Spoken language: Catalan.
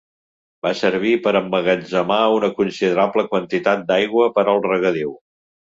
Va servir per emmagatzemar una considerable quantitat d'aigua per al regadiu.